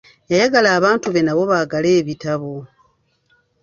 Yayagala abantu be nabo baagale ebitabo.